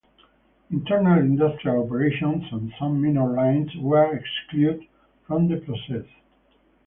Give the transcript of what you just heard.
Internal industrial operations and some minor lines were excluded from the process.